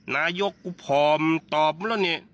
นายกกูผอมตอบแล้วนี่